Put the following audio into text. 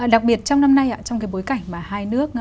đặc biệt trong năm nay trong cái bối cảnh mà hai nước